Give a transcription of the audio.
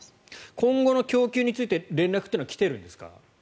今後の供給について連絡というのは来ているんですか？